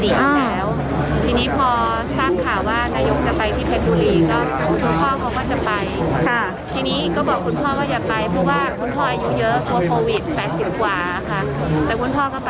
ที่นี้ก็บอกคุณพ่อว่าอย่าไปเพราะว่าคุณพ่ออยู่เยอะ